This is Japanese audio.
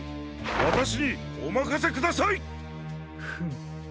わたしにおまかせください！フム。